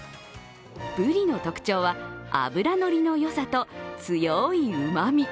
ブリの特徴は脂のりのよさと強いうまみ。